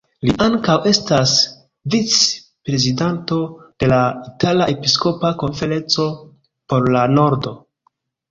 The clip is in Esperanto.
Li ankaŭ estas vic-prezidanto de la Itala Episkopa Konferenco por la Nordo.